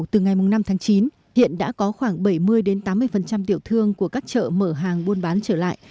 từ ngày năm tháng chín hiện đã có khoảng bảy mươi tám mươi tiểu thương của các chợ mở hàng buôn bán trở lại